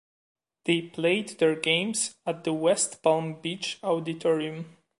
They played their games at the West Palm Beach Auditorium.